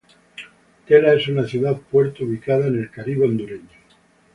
Tela es una ciudad puerto ubicada en el Caribe hondureño.